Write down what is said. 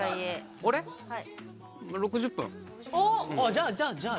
じゃあじゃあじゃあ。